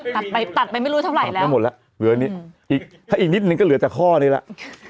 ตัดไปตัดไปไม่รู้เท่าไหร่แล้วถ้าอีกนิดนึงก็เหลือแต่ข้อนี้แล้ว